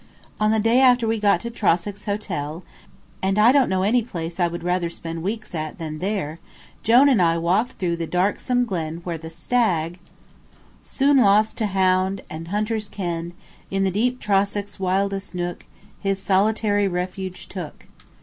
On the day after we got to Trossachs Hotel, and I don't know any place I would rather spend weeks at than there, Jone and I walked through the "darksome glen" where the stag, "Soon lost to hound and hunter's ken, In the deep Trossachs' wildest nook His solitary refuge took."